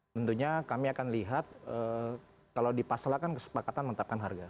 tentunya kami akan lihat kalau dipasalkan kesepakatan menetapkan harga